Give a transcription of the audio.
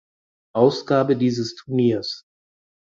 Ausgabe dieses Turniers.